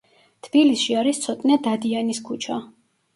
თბილისში არის ცოტნე დადიანის ქუჩა.